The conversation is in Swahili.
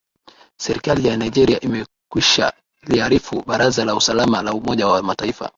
serikali ya nigeria imekwisha liarifu baraza la usalama la umoja wa mataifa